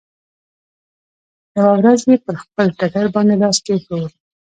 يوه ورځ يې پر خپل ټټر باندې لاس کښېښوو.